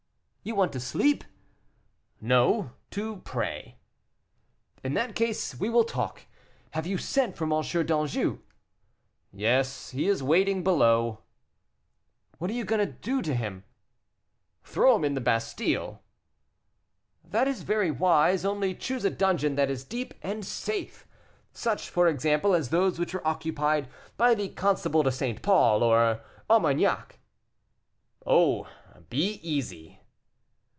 "You want to sleep?" "No, to pray." "In that case we will talk. Have you sent for M. d'Anjou?" "Yes, he is waiting below." "What are you going to do with him?" "Throw him into the Bastile." "That is very wise: only choose a dungeon that is deep and safe such for example, as those which were occupied by the Constable de St. Paul, or Armagnac." "Oh! be easy."